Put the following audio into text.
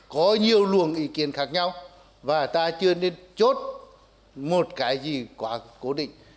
có nhiều luồng ý kiến khác nhau và ta chưa nên chốt một cái gì quá cố định